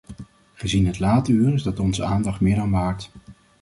Gezien het late uur is dat onze aandacht meer dan waard.